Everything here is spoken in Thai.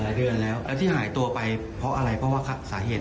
เดือนแล้วแล้วที่หายตัวไปเพราะอะไรเพราะว่าสาเหตุ